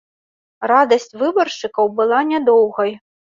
Радасць выбаршчыкаў была нядоўгай.